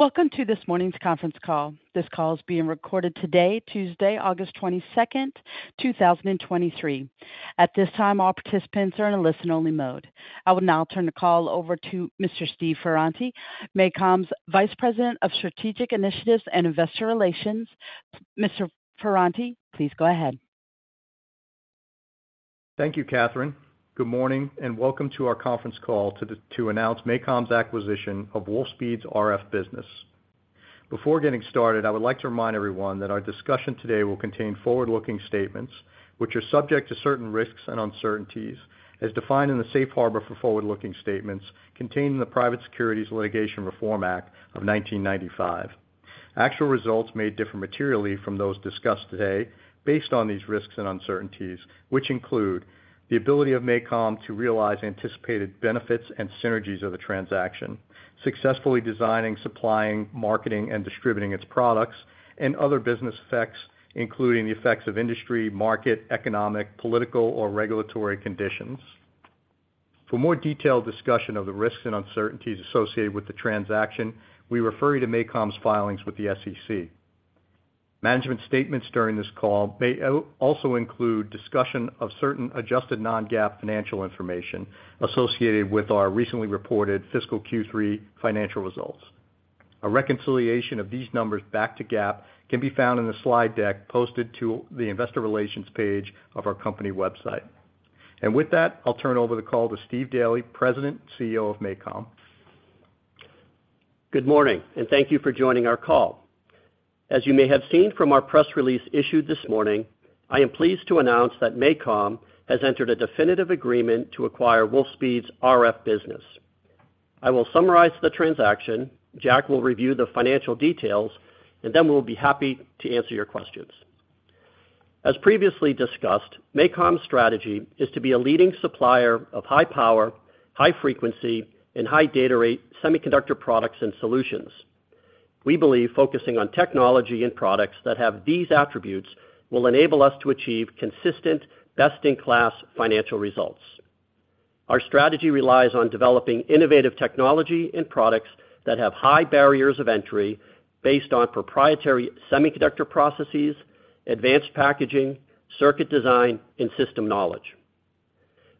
Welcome to this morning's conference call. This call is being recorded today, Tuesday, August 22nd, 2023. At this time, all participants are in a listen-only mode. I will now turn the call over to Mr. Stephen Ferranti, MACOM's Vice President of Strategic Initiatives and Investor Relations. Mr. Ferranti, please go ahead. Thank you, Catherine. Good morning, and welcome to our conference call to announce MACOM's acquisition of Wolfspeed's RF business. Before getting started, I would like to remind everyone that our discussion today will contain forward-looking statements, which are subject to certain risks and uncertainties as defined in the safe harbor for forward-looking statements contained in the Private Securities Litigation Reform Act of 1995. Actual results may differ materially from those discussed today based on these risks and uncertainties, which include the ability of MACOM to realize anticipated benefits and synergies of the transaction, successfully designing, supplying, marketing, and distributing its products, and other business effects, including the effects of industry, market, economic, political, or regulatory conditions. For more detailed discussion of the risks and uncertainties associated with the transaction, we refer you to MACOM's filings with the SEC. Management statements during this call may also include discussion of certain adjusted non-GAAP financial information associated with our recently reported fiscal Q3 financial results. A reconciliation of these numbers back to GAAP can be found in the slide deck posted to the investor relations page of our company website. With that, I'll turn over the call to Stephen Daly, President and CEO of MACOM. Good morning, and thank you for joining our call. As you may have seen from our press release issued this morning, I am pleased to announce that MACOM has entered a definitive agreement to acquire Wolfspeed's RF business. I will summarize the transaction, Jack will review the financial details, and then we'll be happy to answer your questions. As previously discussed, MACOM's strategy is to be a leading supplier of high power, high frequency, and high data rate semiconductor products and solutions. We believe focusing on technology and products that have these attributes will enable us to achieve consistent, best-in-class financial results. Our strategy relies on developing innovative technology and products that have high barriers of entry based on proprietary semiconductor processes, advanced packaging, circuit design, and system knowledge.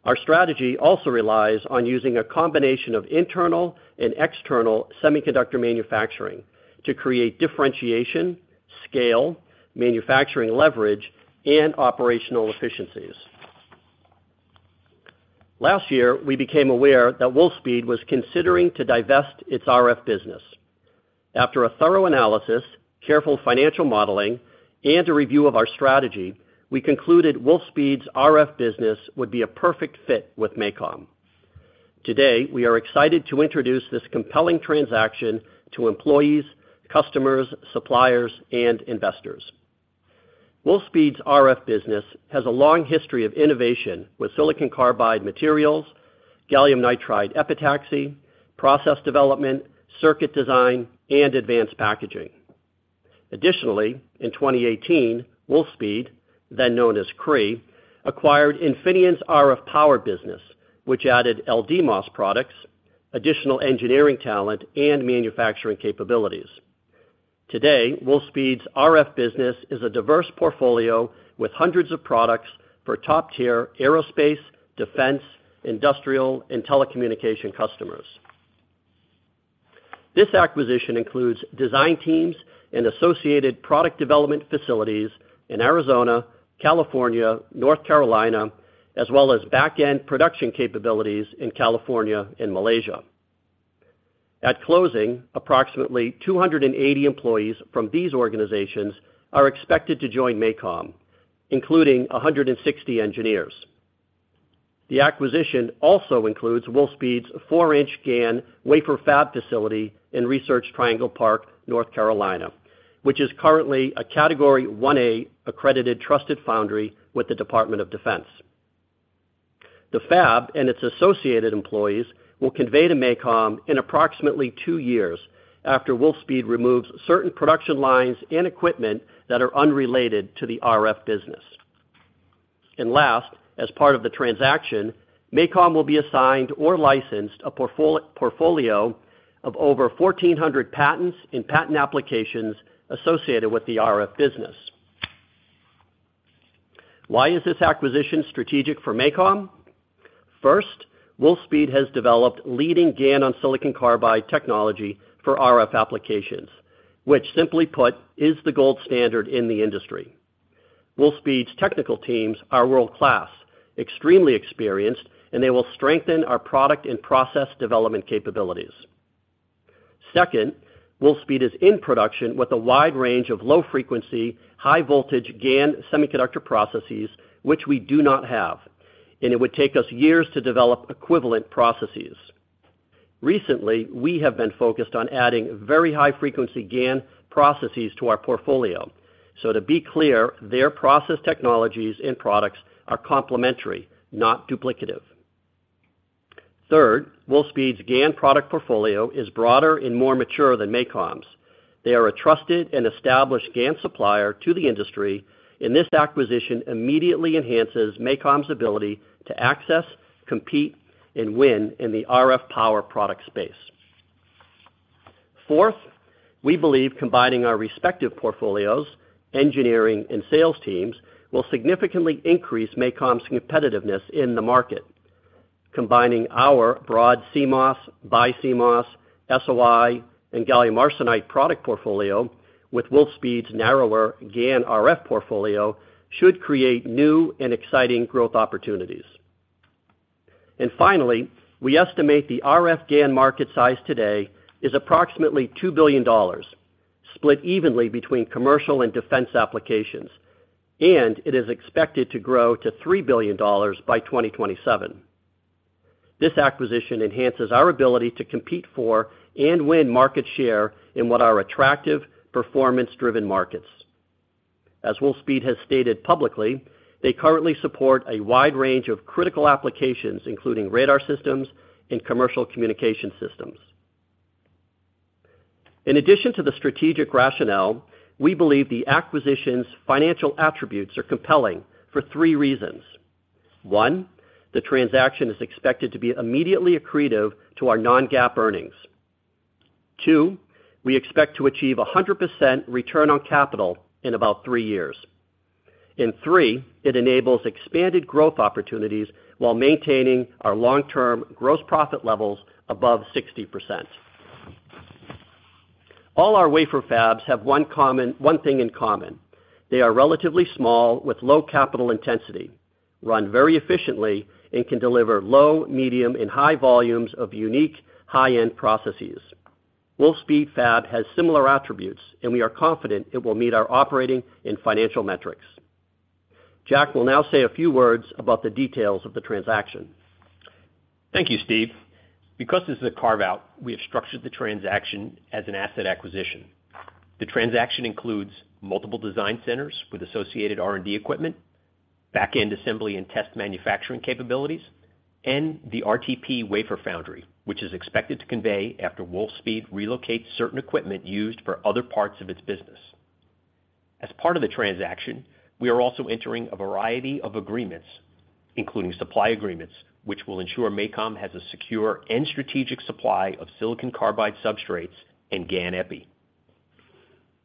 Our strategy also relies on using a combination of internal and external semiconductor manufacturing to create differentiation, scale, manufacturing leverage, and operational efficiencies. Last year, we became aware that Wolfspeed was considering to divest its RF business. After a thorough analysis, careful financial modeling, and a review of our strategy, we concluded Wolfspeed's RF business would be a perfect fit with MACOM. Today, we are excited to introduce this compelling transaction to employees, customers, suppliers, and investors. Wolfspeed's RF business has a long history of innovation with silicon carbide materials, gallium nitride epitaxy, process development, circuit design, and advanced packaging. Additionally, in 2018, Wolfspeed, then known as Cree, acquired Infineon's RF power business, which added LDMOS products, additional engineering talent, and manufacturing capabilities. Today, Wolfspeed's RF business is a diverse portfolio with hundreds of products for top-tier aerospace, defense, industrial, and telecommunication customers. This acquisition includes design teams and associated product development facilities in Arizona, California, North Carolina, as well as back-end production capabilities in California and Malaysia. At closing, approximately 280 employees from these organizations are expected to join MACOM, including 160 engineers. The acquisition also includes Wolfspeed's 4-inch GaN wafer fab facility in Research Triangle Park, North Carolina, which is currently a Category 1A accredited Trusted Foundry with the Department of Defense. The fab and its associated employees will convey to MACOM in approximately two years after Wolfspeed removes certain production lines and equipment that are unrelated to the RF business. Last, as part of the transaction, MACOM will be assigned or licensed a portfolio of over 1,400 patents and patent applications associated with the RF business. Why is this acquisition strategic for MACOM? First, Wolfspeed has developed leading GaN-on-silicon carbide technology for RF applications, which simply put, is the gold standard in the industry. Wolfspeed's technical teams are world-class, extremely experienced, and they will strengthen our product and process development capabilities. Second, Wolfspeed is in production with a wide range of low frequency, high voltage GaN semiconductor processes, which we do not have, and it would take us years to develop equivalent processes. Recently, we have been focused on adding very high frequency GaN processes to our portfolio. To be clear, their process technologies and products are complementary, not duplicative. Third, Wolfspeed's GaN product portfolio is broader and more mature than MACOM's. They are a trusted and established GaN supplier to the industry, and this acquisition immediately enhances MACOM's ability to access, compete, and win in the RF power product space. Fourth, we believe combining our respective portfolios, engineering and sales teams will significantly increase MACOM's competitiveness in the market. Combining our broad CMOS, BiCMOS, SOI, and gallium arsenide product portfolio with Wolfspeed's narrower GaN RF portfolio should create new and exciting growth opportunities. Finally, we estimate the RF GaN market size today is approximately $2 billion, split evenly between commercial and defense applications, and it is expected to grow to $3 billion by 2027. This acquisition enhances our ability to compete for and win market share in what are attractive, performance-driven markets. As Wolfspeed has stated publicly, they currently support a wide range of critical applications, including radar systems and commercial communication systems. In addition to the strategic rationale, we believe the acquisition's financial attributes are compelling for three reasons. One, the transaction is expected to be immediately accretive to our non-GAAP earnings. Two, we expect to achieve 100% return on capital in about 3 years. Three, it enables expanded growth opportunities while maintaining our long-term gross profit levels above 60%. All our wafer fabs have one thing in common. They are relatively small with low capital intensity, run very efficiently, and can deliver low, medium, and high volumes of unique high-end processes. Wolfspeed fab has similar attributes, and we are confident it will meet our operating and financial metrics. Jack will now say a few words about the details of the transaction. Thank you, Steve. Because this is a carve-out, we have structured the transaction as an asset acquisition. The transaction includes multiple design centers with associated R&D equipment, back-end assembly and test manufacturing capabilities, and the RTP wafer foundry, which is expected to convey after Wolfspeed relocates certain equipment used for other parts of its business. As part of the transaction, we are also entering a variety of agreements, including supply agreements, which will ensure MACOM has a secure and strategic supply of silicon carbide substrates and GaN epi.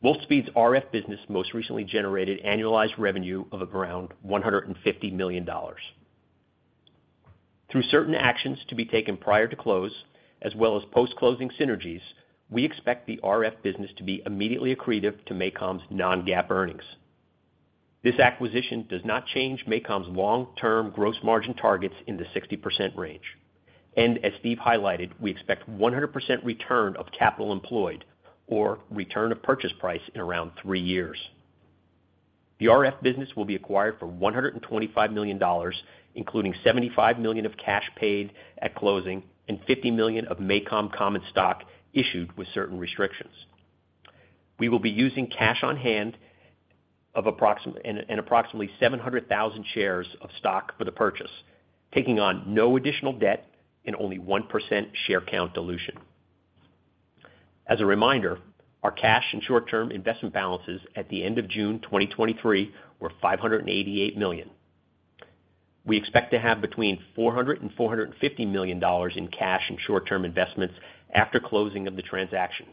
Wolfspeed's RF business most recently generated annualized revenue of around $150 million. Through certain actions to be taken prior to close, as well as post-closing synergies, we expect the RF business to be immediately accretive to MACOM's non-GAAP earnings. This acquisition does not change MACOM's long-term gross margin targets in the 60% range, as Steve highlighted, we expect 100% return of capital employed or return of purchase price in around 3 years. The RF business will be acquired for $125 million, including $75 million of cash paid at closing and $50 million of MACOM common stock issued with certain restrictions. We will be using cash on hand of approximately 700,000 shares of stock for the purchase, taking on no additional debt and only 1% share count dilution. As a reminder, our cash and short-term investment balances at the end of June 2023 were $588 million. We expect to have between $400 million and $450 million in cash and short-term investments after closing of the transaction,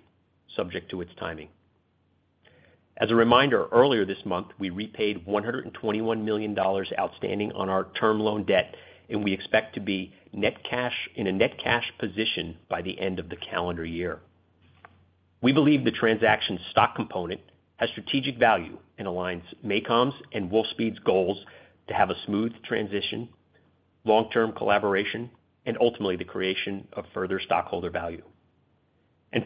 subject to its timing. As a reminder, earlier this month, we repaid $121 million outstanding on our term loan debt, and we expect to be in a net cash position by the end of the calendar year. We believe the transaction's stock component has strategic value and aligns MACOM's and Wolfspeed's goals to have a smooth transition, long-term collaboration, and ultimately, the creation of further stockholder value.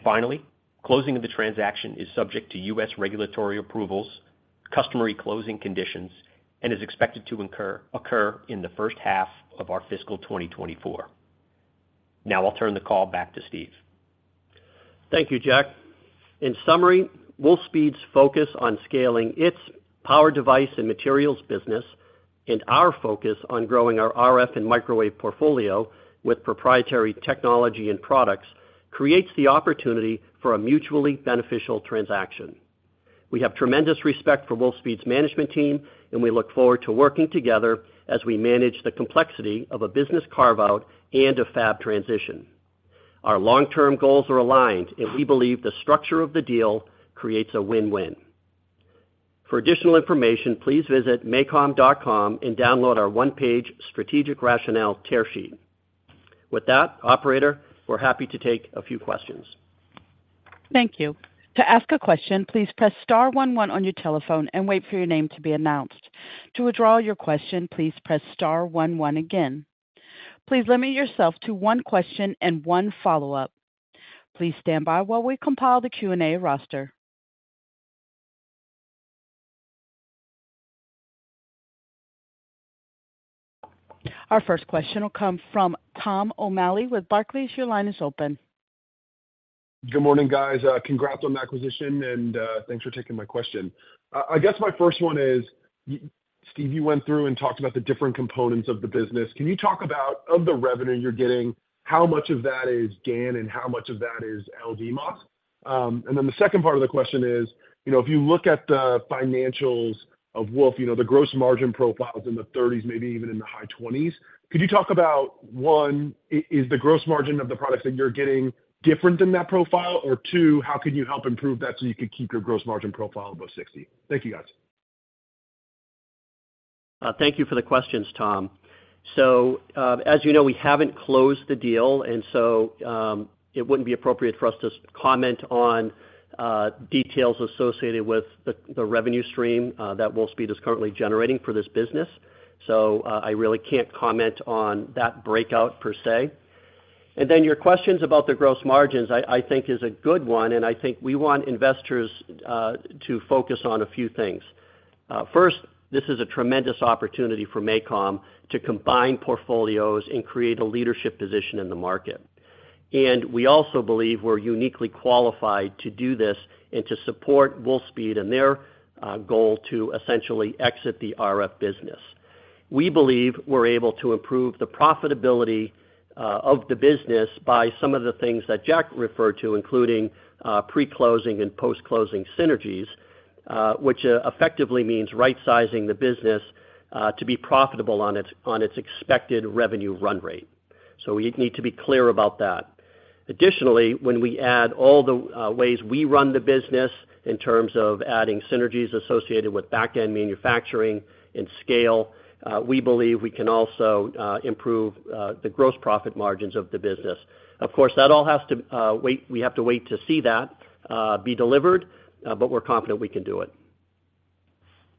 Finally, closing of the transaction is subject to U.S. regulatory approvals, customary closing conditions, and is expected to occur in the first half of our fiscal 2024. Now I'll turn the call back to Steve. Thank you, Jack. In summary, Wolfspeed's focus on scaling its power device and materials business, and our focus on growing our RF and microwave portfolio with proprietary technology and products, creates the opportunity for a mutually beneficial transaction. We have tremendous respect for Wolfspeed's management team, and we look forward to working together as we manage the complexity of a business carve-out and a fab transition. Our long-term goals are aligned, and we believe the structure of the deal creates a win-win. For additional information, please visit macom.com and download our one-page strategic rationale tear sheet. With that, operator, we're happy to take a few questions. Thank you. To ask a question, please press star one one on your telephone and wait for your name to be announced. To withdraw your question, please press star one one again. Please limit yourself to one question and one follow-up. Please stand by while we compile the Q&A roster. Our first question will come from Thomas O’Malley with Barclays. Your line is open. Good morning, guys. Congrats on the acquisition, thanks for taking my question. I guess my first one is, Steve, you went through and talked about the different components of the business. Can you talk about, of the revenue you're getting, how much of that is GaN, and how much of that is LDMOS? The second part of the question is, you know, if you look at the financials of Wolf, you know, the gross margin profile is in the thirties, maybe even in the high twenties. Could you talk about, one, is the gross margin of the products that you're getting different than that profile? Two, how can you help improve that, so you can keep your gross margin profile above 60? Thank you, guys. Thank you for the questions, Tom. As you know, we haven't closed the deal, and so it wouldn't be appropriate for us to comment on details associated with the revenue stream that Wolfspeed is currently generating for this business. I really can't comment on that breakout per se. Then your questions about the gross margins, I, I think is a good one, and I think we want investors to focus on a few things. First, this is a tremendous opportunity for MACOM to combine portfolios and create a leadership position in the market. We also believe we're uniquely qualified to do this and to support Wolfspeed and their goal to essentially exit the RF business. We believe we're able to improve the profitability, of the business by some of the things that Jack referred to, including, pre-closing and post-closing synergies, which, effectively means right-sizing the business, to be profitable on its, on its expected revenue run rate. We need to be clear about that. Additionally, when we add all the, ways we run the business in terms of adding synergies associated with backend manufacturing and scale, we believe we can also, improve, the gross profit margins of the business. Of course, that all has to wait, we have to wait to see that, be delivered, but we're confident we can do it.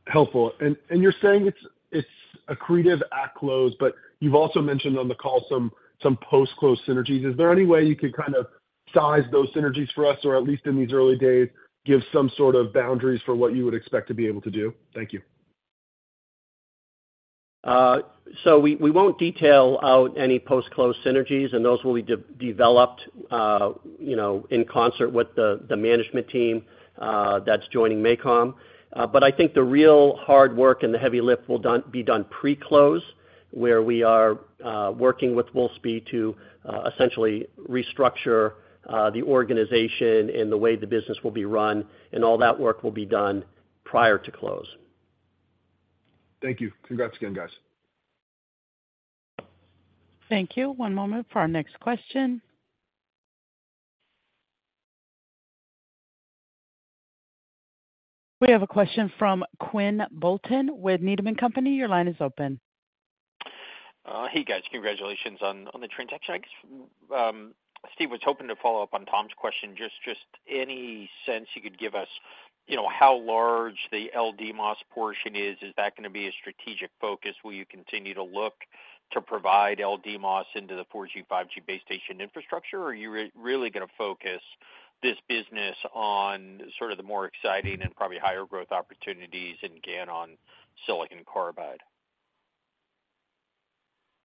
Helpful. You're saying it's accretive at close, but you've also mentioned on the call some post-close synergies. Is there any way you could kind of size those synergies for us, or at least in these early days, give some sort of boundaries for what you would expect to be able to do? Thank you. We, we won't detail out any post-close synergies, and those will be developed, you know, in concert with the, the management team that's joining MACOM. I think the real hard work and the heavy lift will be done pre-close, where we are working with Wolfspeed to essentially restructure the organization and the way the business will be run, and all that work will be done prior to close. Thank you. Congrats again, guys. Thank you. One moment for our next question. We have a question from Quinn Bolton with Needham & Company. Your line is open. Hey, guys. Congratulations on the transaction. I guess, Steve, was hoping to follow up on Tom's question. Just any sense you could give us, you know, how large the LDMOS portion is? Is that gonna be a strategic focus? Will you continue to look to provide LDMOS into the 4G, 5G base station infrastructure, or are you really gonna focus this business on sort of the more exciting and probably higher growth opportunities in GaN-on-silicon carbide?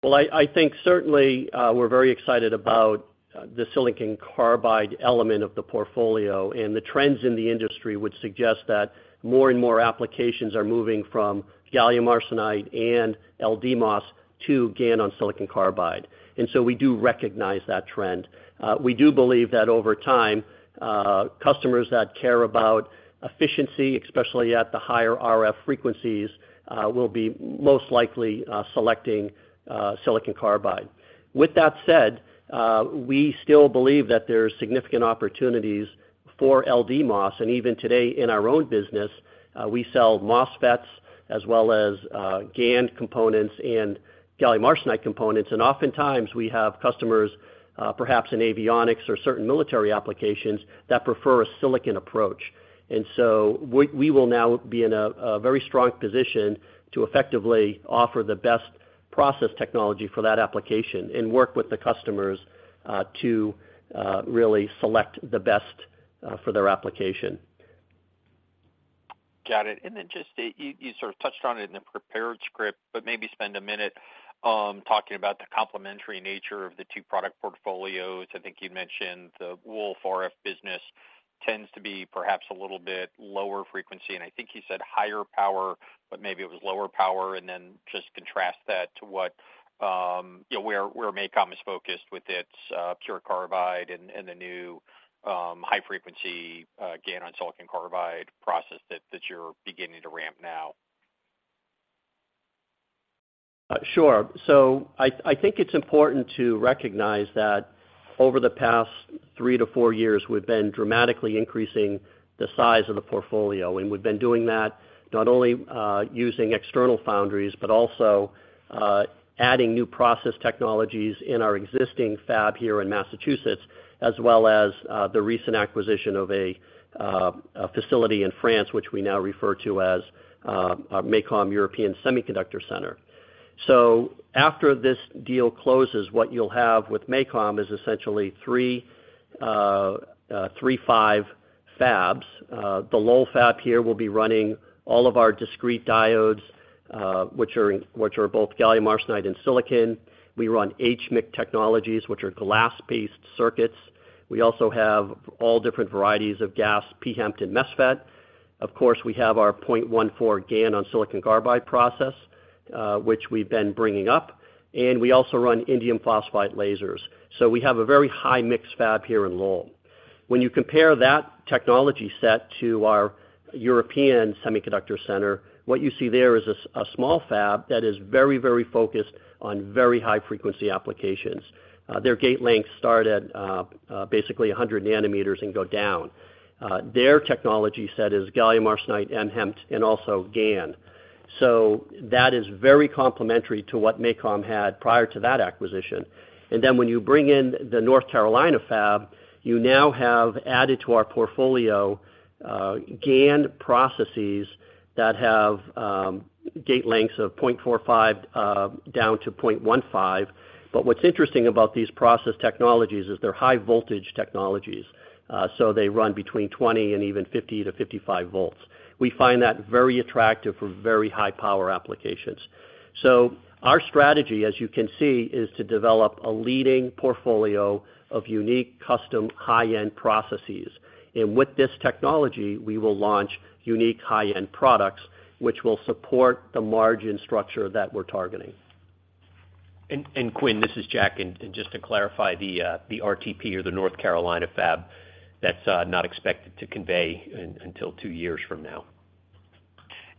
Well, I, I think certainly, we're very excited about the silicon carbide element of the portfolio, and the trends in the industry would suggest that more and more applications are moving from gallium arsenide and LDMOS to GaN-on-silicon carbide. We do recognize that trend. We do believe that over time, customers that care about efficiency, especially at the higher RF frequencies, will be most likely selecting silicon carbide. With that said, we still believe that there are significant opportunities for LDMOS, and even today, in our own business, we sell MOSFETs as well as GaN components and gallium arsenide components. Oftentimes we have customers, perhaps in avionics or certain military applications, that prefer a silicon approach. We, we will now be in a, a very strong position to effectively offer the best process technology for that application and work with the customers, to really select the best for their application. Got it. Then just, you, you sort of touched on it in the prepared script, but maybe spend a minute talking about the complementary nature of the two product portfolios. I think you mentioned the Wolf RF business tends to be perhaps a little bit lower frequency, and I think you said higher power, but maybe it was lower power. Then just contrast that to what, you know, where, where MACOM is focused with its MACOM PURE CARBIDE and, and the new high frequency GaN on silicon carbide process that, that you're beginning to ramp now. Sure. I, I think it's important to recognize that over the past 3-4 years, we've been dramatically increasing the size of the portfolio. We've been doing that not only using external foundries, but also adding new process technologies in our existing fab here in Massachusetts, as well as the recent acquisition of a facility in France, which we now refer to as MACOM European Semiconductor Center. After this deal closes, what you'll have with MACOM is essentially 3, 5 fabs. The Lowell fab here will be running all of our discrete diodes, which are both gallium arsenide and silicon. We run HMIC technologies, which are glass-based circuits. We also have all different varieties of GaAs, pHEMT and MESFET. Of course, we have our 0.14 GaN-on-silicon carbide process, which we've been bringing up, and we also run indium phosphide lasers. We have a very high-mix fab here in Lowell. When you compare that technology set to our European Semiconductor Center, what you see there is a small fab that is very, very focused on very high frequency applications. Their gate lengths start at basically 100 nanometers and go down. Their technology set is gallium arsenide, mHEMT, and also GaN. That is very complementary to what MACOM had prior to that acquisition. Then when you bring in the North Carolina fab, you now have added to our portfolio, GaN processes that have gate lengths of 0.45 down to 0.15. What's interesting about these process technologies is they're high voltage technologies, so they run between 20 and even 50-55 volts. We find that very attractive for very high power applications. Our strategy, as you can see, is to develop a leading portfolio of unique, custom, high-end processes. With this technology, we will launch unique, high-end products, which will support the margin structure that we're targeting. And Quinn, this is Jack, and, and just to clarify, the RTP or the North Carolina fab, that's not expected to convey until two years from now.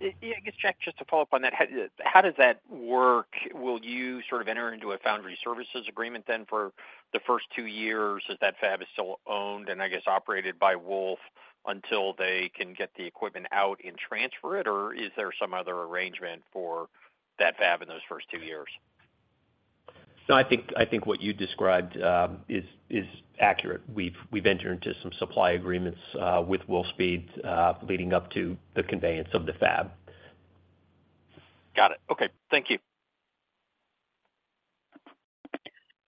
Yeah, I guess, Jack, just to follow up on that, how, how does that work? Will you sort of enter into a foundry services agreement then for the first 2 years as that fab is still owned and I guess operated by Wolf, until they can get the equipment out and transfer it? Or is there some other arrangement for that fab in those first 2 years? No, I think, I think what you described, is, is accurate. We've, we've entered into some supply agreements, with Wolfspeed, leading up to the conveyance of the fab. Got it. Okay. Thank you.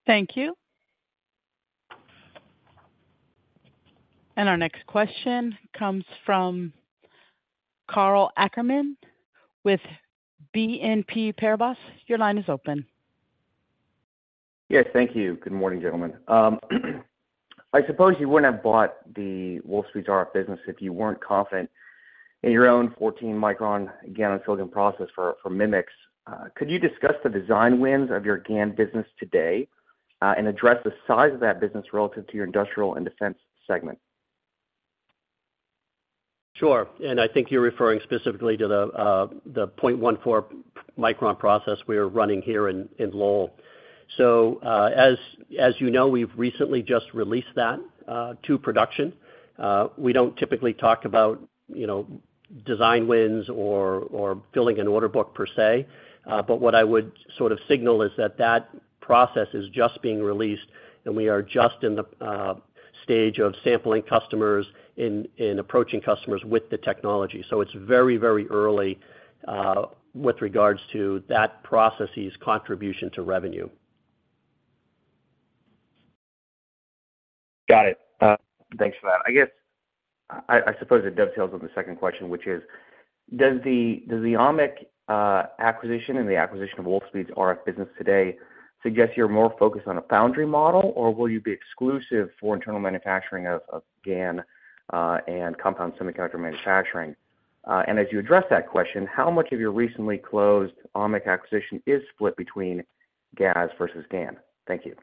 Thank you. Our next question comes from Karl Ackerman with BNP Paribas. Your line is open. Yes, thank you. Good morning, gentlemen. I suppose you wouldn't have bought the Wolfspeed RF business if you weren't confident in your own 0.14-micron GaN-on-SiC process for MMICs. Could you discuss the design wins of your GaN business today and address the size of that business relative to your industrial and defense segment? Sure, I think you're referring specifically to the 0.14-micron process we are running here in Lowell. As, as you know, we've recently just released that to production. We don't typically talk about, you know, design wins or filling an order book per se. What I would sort of signal is that that process is just being released, and we are just in the stage of sampling customers and approaching customers with the technology. It's very, very early with regards to that process's contribution to revenue. Got it. Thanks for that. I guess, I suppose it dovetails on the second question, which is: Does the OMMIC acquisition and the acquisition of Wolfspeed's RF business today suggest you're more focused on a foundry model, or will you be exclusive for internal manufacturing of GaN and compound semiconductor manufacturing? As you address that question, how much of your recently closed OMMIC acquisition is split between GaAs versus GaN? Thank you.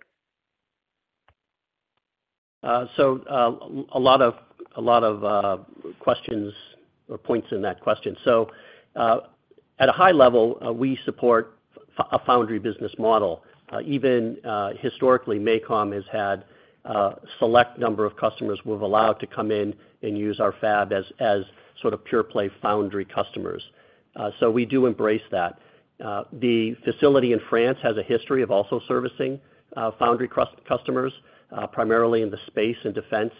A lot of, a lot of questions or points in that question. At a high level, we support a foundry business model. Even, historically, MACOM has had a select number of customers we've allowed to come in and use our fab as, as sort of pure play foundry customers. We do embrace that. The facility in France has a history of also servicing foundry customers, primarily in the space and defense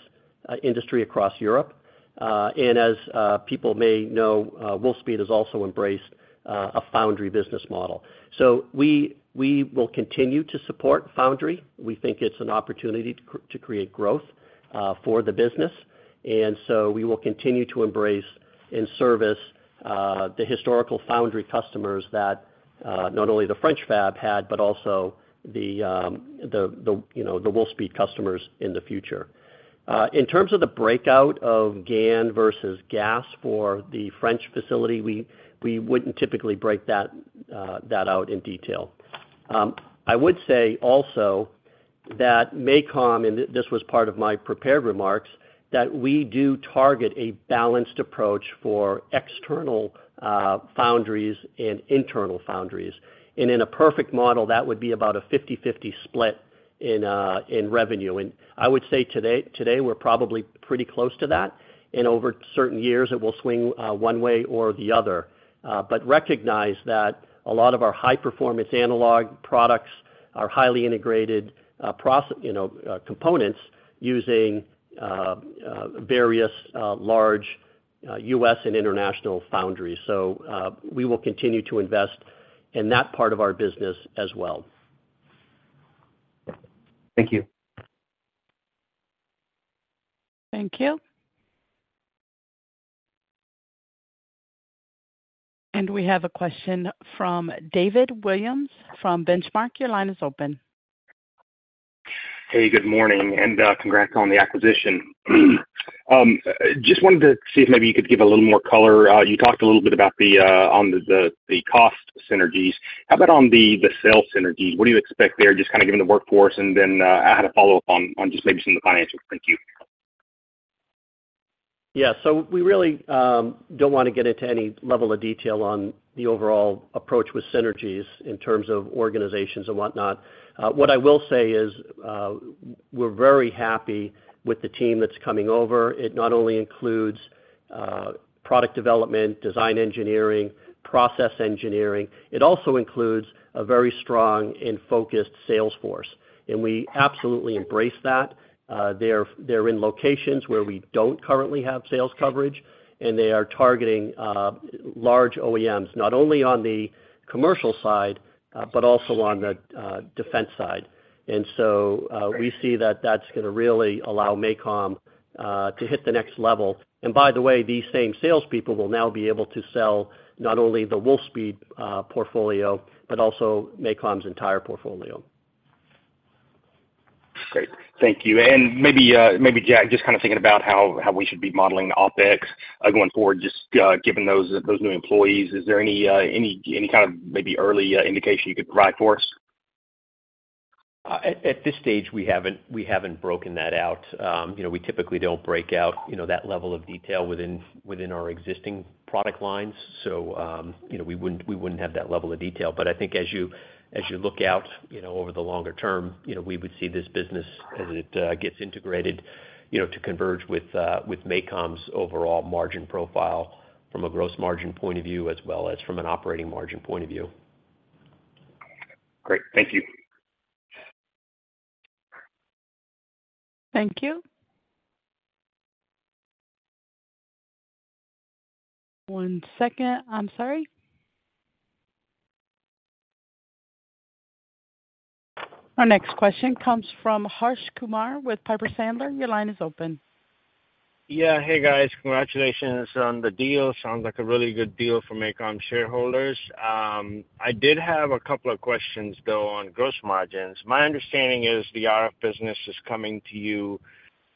industry across Europe. As people may know, Wolfspeed has also embraced a foundry business model. We, we will continue to support foundry. We think it's an opportunity to create growth for the business, and so we will continue to embrace and service the historical foundry customers that not only the French fab had, but also the, you know, the Wolfspeed customers in the future. In terms of the breakout of GaN versus GaAs for the French facility, we, we wouldn't typically break that out in detail. I would say also that MACOM, and this was part of my prepared remarks, that we do target a balanced approach for external foundries and internal foundries. In a perfect model, that would be about a 50/50 split in revenue. I would say today, today, we're probably pretty close to that, and over certain years, it will swing one way or the other. Recognize that a lot of our high-performance analog products are highly integrated, you know, components using various large U.S. and international foundries. We will continue to invest in that part of our business as well. Thank you. Thank you. We have a question from David Williams from Benchmark. Your line is open. Hey, good morning, and congrats on the acquisition. Just wanted to see if maybe you could give a little more color. You talked a little bit about the on the the the cost synergies. How about on the, the sales synergies? What do you expect there, just kind of given the workforce, and then, I had a follow-up on, on just maybe some of the financials. Thank you. Yeah, we really, don't wanna get into any level of detail on the overall approach with synergies in terms of organizations and whatnot. What I will say is, we're very happy with the team that's coming over. It not only includes product development, design engineering, process engineering, it also includes a very strong and focused sales force, we absolutely embrace that. They're, they're in locations where we don't currently have sales coverage, and they are targeting large OEMs, not only on the commercial side, but also on the defense side. We see that that's gonna really allow MACOM to hit the next level. By the way, these same salespeople will now be able to sell not only the Wolfspeed portfolio, but also MACOM's entire portfolio. Great. Thank you. Maybe, maybe, Jack, just kind of thinking about how, how we should be modeling the OpEx going forward, just given those, those new employees, is there any, any, any kind of maybe early indication you could provide for us? At, at this stage, we haven't, we haven't broken that out. You know, we typically don't break out, you know, that level of detail within, within our existing product lines, so, you know, we wouldn't, we wouldn't have that level of detail. I think as you, as you look out, you know, over the longer term, you know, we would see this business as it gets integrated, you know, to converge with MACOM's overall margin profile from a gross margin point of view, as well as from an operating margin point of view. Great. Thank you. Thank you. One second. I'm sorry. Our next question comes from Harsh Kumar with Piper Sandler. Your line is open. Yeah. Hey, guys. Congratulations on the deal. Sounds like a really good deal for MACOM shareholders. I did have a couple of questions, though, on gross margins. My understanding is the RF business is coming to you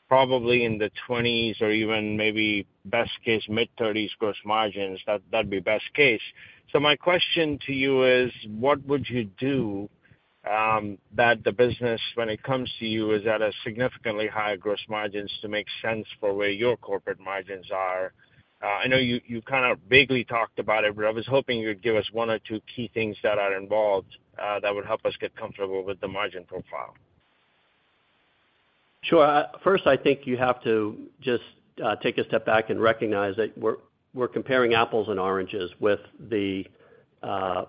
probably in the twenties or even maybe best case, mid-thirties gross margins. That, that'd be best case. My question to you is, what would you do that the business, when it comes to you, is at a significantly higher gross margins to make sense for where your corporate margins are? I know you, you kind of vaguely talked about it, but I was hoping you'd give us one or two key things that are involved that would help us get comfortable with the margin profile. Sure. First, I think you have to just take a step back and recognize that we're comparing apples and oranges with the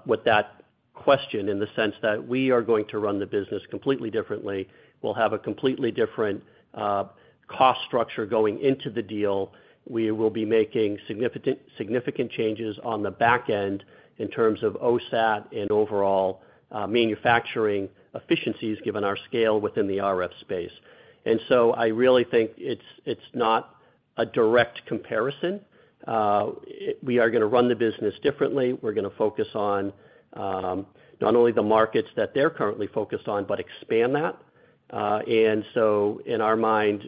with that question, in the sense that we are going to run the business completely differently. We'll have a completely different cost structure going into the deal. We will be making significant, significant changes on the back end in terms of OSAT and overall manufacturing efficiencies, given our scale within the RF space. I really think it's not a direct comparison. We are gonna run the business differently. We're gonna focus on not only the markets that they're currently focused on, but expand that. In our mind,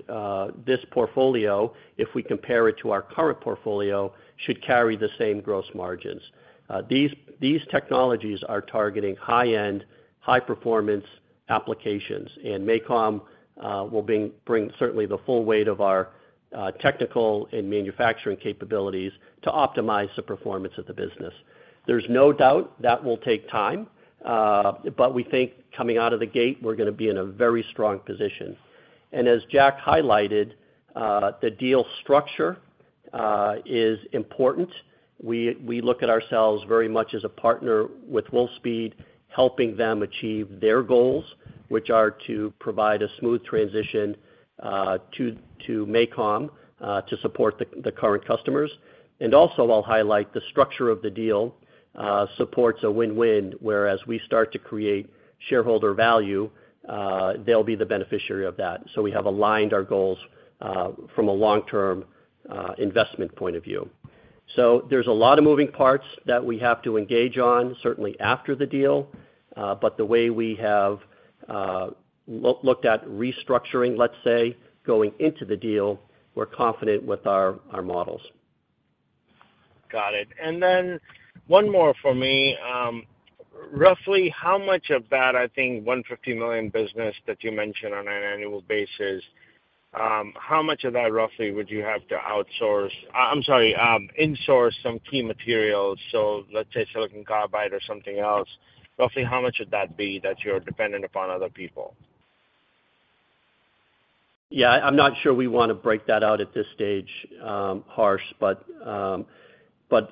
this portfolio, if we compare it to our current portfolio, should carry the same gross margins. These, these technologies are targeting high-end, high-performance applications, and MACOM will bring, bring certainly the full weight of our technical and manufacturing capabilities to optimize the performance of the business. There's no doubt that will take time, but we think coming out of the gate, we're gonna be in a very strong position. As Jack highlighted, the deal structure is important. We, we look at ourselves very much as a partner with Wolfspeed, helping them achieve their goals, which are to provide a smooth transition to, to MACOM to support the, the current customers. Also, I'll highlight the structure of the deal supports a win-win, whereas we start to create shareholder value, they'll be the beneficiary of that. We have aligned our goals from a long-term investment point of view. There's a lot of moving parts that we have to engage on, certainly after the deal, but the way we have, looked at restructuring, let's say, going into the deal, we're confident with our, our models. Got it. Then one more for me. Roughly how much of that, I think, $150 million business that you mentioned on an annual basis, how much of that, roughly, would you have to insource some key materials, so let's say silicon carbide or something else, roughly, how much would that be that you're dependent upon other people? I'm not sure we wanna break that out at this stage, Harsh.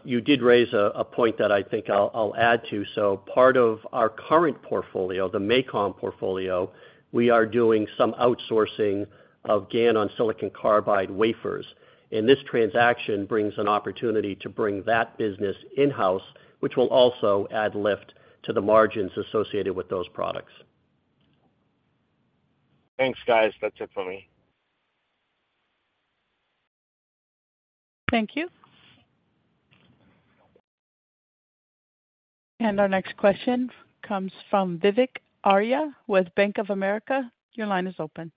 You did raise a point that I think I'll add to. Part of our current portfolio, the MACOM portfolio, we are doing some outsourcing of GaN on silicon carbide wafers. This transaction brings an opportunity to bring that business in-house, which will also add lift to the margins associated with those products. Thanks, guys. That's it for me. Thank you. Our next question comes from Vivek Arya with Bank of America. Your line is open.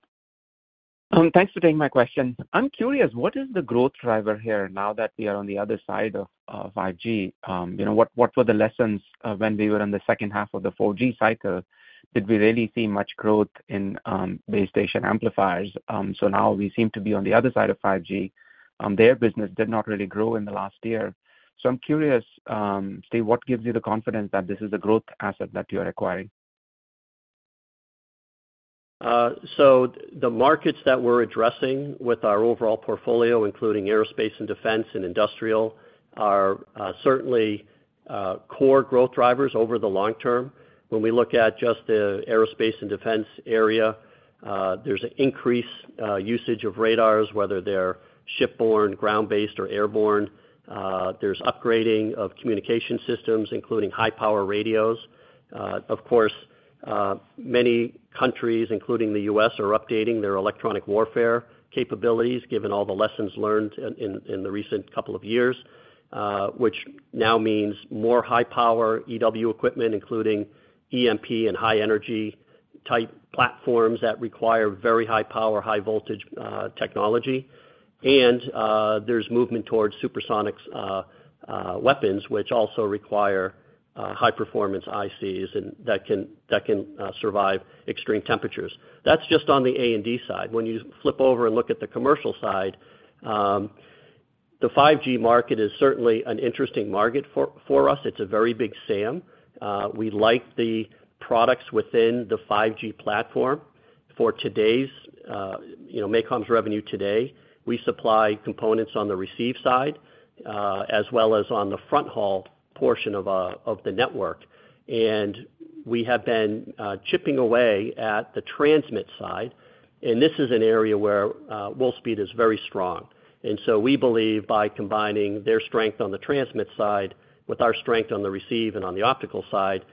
Thanks for taking my question. I'm curious, what is the growth driver here now that we are on the other side of 5G? You know, what were the lessons when we were on the second half of the 4G cycle? Did we really see much growth in base station amplifiers? Now we seem to be on the other side of 5G, their business did not really grow in the last year. I'm curious, Steve, what gives you the confidence that this is a growth asset that you're acquiring? The markets that we're addressing with our overall portfolio, including aerospace and defense and industrial, are certainly core growth drivers over the long term. When we look at just the aerospace and defense area, there's an increased usage of radars, whether they're shipborne, ground-based, or airborne. There's upgrading of communication systems, including high-power radios. Of course, many countries, including the U.S., are updating their electronic warfare capabilities, given all the lessons learned in, in, in the recent couple of years, which now means more high-power EW equipment, including EMP and high-energy type platforms that require very high power, high-voltage technology. There's movement towards hypersonics weapons, which also require high-performance ICs, and that can, that can survive extreme temperatures. That's just on the A&D side. When you flip over and look at the commercial side, the 5G market is certainly an interesting market for, for us. It's a very big SAM. We like the products within the 5G platform. For today's, you know, MACOM's revenue today, we supply components on the receive side, as well as on the fronthaul portion of the network. We have been chipping away at the transmit side, and this is an area where Wolfspeed is very strong. We believe by combining their strength on the transmit side with our strength on the receive and on the optical side,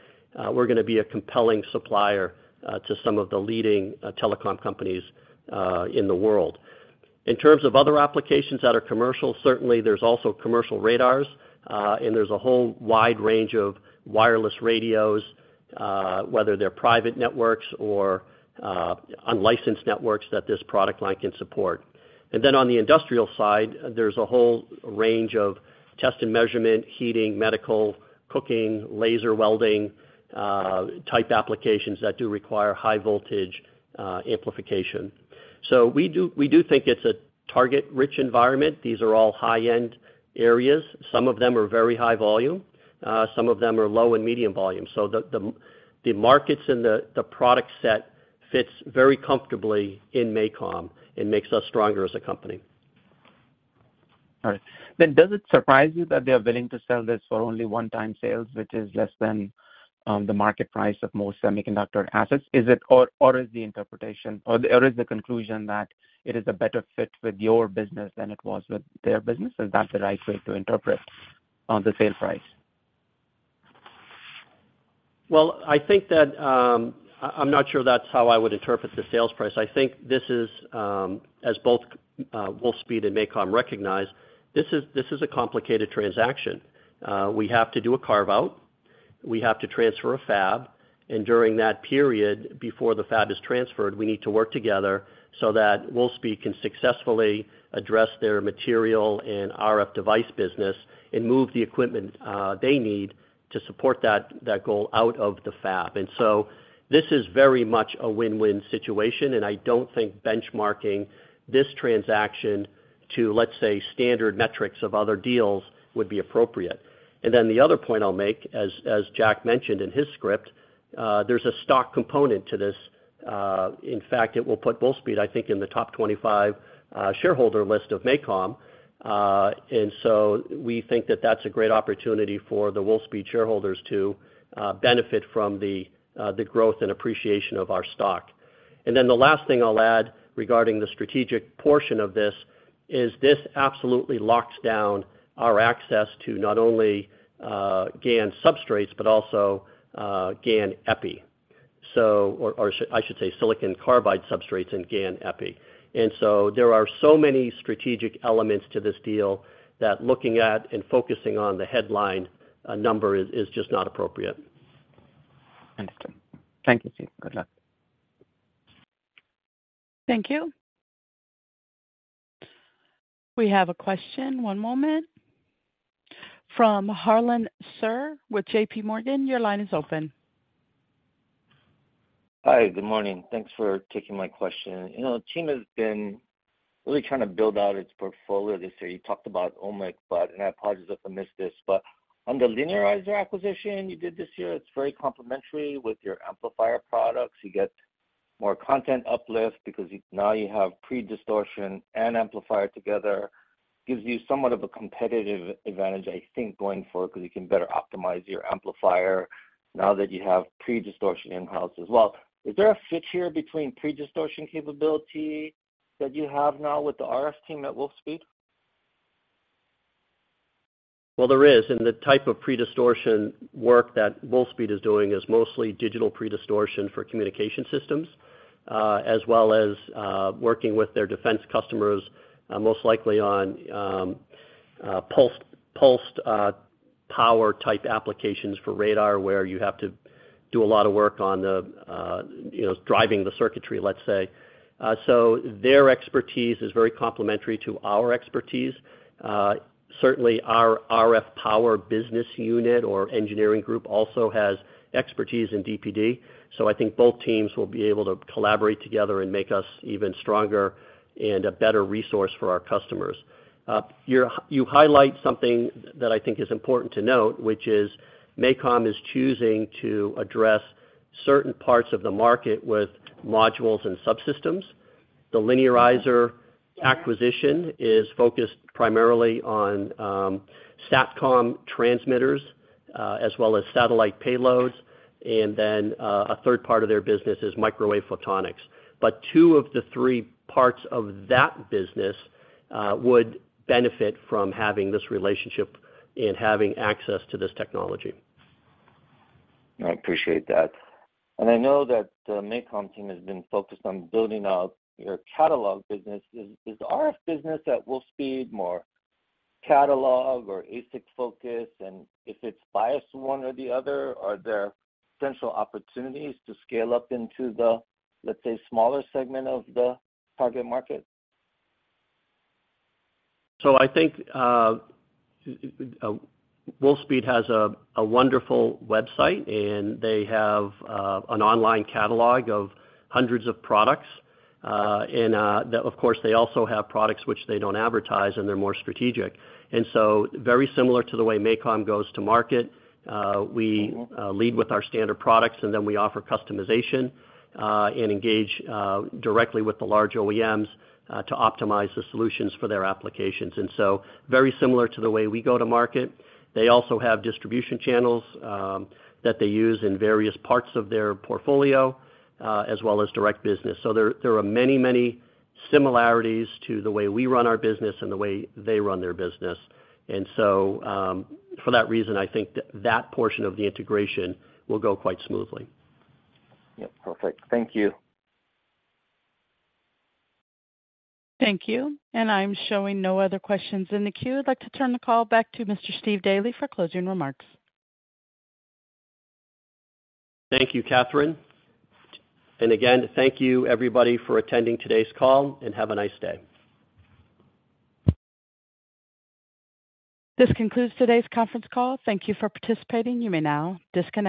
we're gonna be a compelling supplier to some of the leading telecom companies in the world. In terms of other applications that are commercial, certainly there's also commercial radars, there's a whole wide range of wireless radios, whether they're private networks or unlicensed networks, that this product line can support. Then on the industrial side, there's a whole range of test and measurement, heating, medical, cooking, laser welding, type applications that do require high-voltage, amplification. We do, we do think it's a target-rich environment. These are all high-end areas. Some of them are very high volume, some of them are low and medium volume. The, the, the markets and the, the product set fits very comfortably in MACOM and makes us stronger as a company. All right. Does it surprise you that they are willing to sell this for only 1-time sales, which is less than the market price of most semiconductor assets? Or, or is the interpretation, or, or is the conclusion that it is a better fit with your business than it was with their business? Is that the right way to interpret the sale price? Well, I think that, I'm not sure that's how I would interpret the sales price. I think this is, as both Wolfspeed and MACOM recognize, this is, this is a complicated transaction. We have to do a carve-out, we have to transfer a fab, and during that period, before the fab is transferred, we need to work together so that Wolfspeed can successfully address their material and RF device business and move the equipment they need to support that, that goal out of the fab. This is very much a win-win situation, and I don't think benchmarking this transaction to, let's say, standard metrics of other deals would be appropriate. The other point I'll make, as, as Jack mentioned in his script, there's a stock component to this. In fact, it will put Wolfspeed, I think, in the top 25 shareholder list of MACOM. So we think that that's a great opportunity for the Wolfspeed shareholders to benefit from the growth and appreciation of our stock. The last thing I'll add regarding the strategic portion of this, is this absolutely locks down our access to not only GaN substrates, but also GaN epi. Or, I should say silicon carbide substrates and GaN epi. So there are so many strategic elements to this deal that looking at and focusing on the headline number is just not appropriate. Understood. Thank you, Steve. Good luck. Thank you. We have a question, one moment. From Harlan Sur with J.P. Morgan. Your line is open. Hi, good morning. Thanks for taking my question. You know, the team has been really trying to build out its portfolio this year. You talked about OMMIC, and I apologize if I missed this, but on the linearizer acquisition you did this year, it's very complementary with your amplifier products. You get more content uplift because now you have predistortion and amplifier together. Gives you somewhat of a competitive advantage, I think, going forward, because you can better optimize your amplifier now that you have predistortion in-house as well. Is there a fit here between predistortion capability that you have now with the RF team at Wolfspeed? Well, there is, and the type of predistortion work that Wolfspeed is doing is mostly Digital Pre-Distortion for communication systems, as well as working with their defense customers, most likely on pulsed, pulsed, power-type applications for radar, where you have to do a lot of work on the, you know, driving the circuitry, let's say. Their expertise is very complementary to our expertise. Certainly our RF power business unit or engineering group also has expertise in DPD, so I think both teams will be able to collaborate together and make us even stronger and a better resource for our customers. You highlight something that I think is important to note, which is MACOM is choosing to address certain parts of the market with modules and subsystems. The Linearizer acquisition is focused primarily on Satcom transmitters, as well as satellite payloads, and then a third part of their business is Microwave Photonics. Two of the three parts of that business would benefit from having this relationship and having access to this technology. I appreciate that. I know that the MACOM team has been focused on building out your catalog business. Is the RF business at Wolfspeed more catalog or ASIC focused? If it's biased, one or the other, are there potential opportunities to scale up into the, let's say, smaller segment of the target market? I think Wolfspeed has a wonderful website, and they have an online catalog of hundreds of products. Of course, they also have products which they don't advertise, and they're more strategic. Very similar to the way MACOM goes to market, we lead with our standard products, and then we offer customization, and engage directly with the large OEMs to optimize the solutions for their applications. Very similar to the way we go to market. They also have distribution channels that they use in various parts of their portfolio, as well as direct business. There are many, many similarities to the way we run our business and the way they run their business. For that reason, I think that portion of the integration will go quite smoothly. Yep. Perfect. Thank you. Thank you. I'm showing no other questions in the queue. I'd like to turn the call back to Mr. Stephen Daly for closing remarks. Thank you, Catherine. Again, thank you everybody for attending today's call, and have a nice day. This concludes today's conference call. Thank you for participating. You may now disconnect.